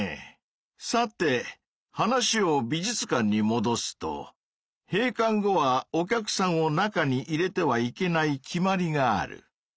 さて話を美術館にもどすと閉館後はお客さんを中に入れてはいけない決まりがある。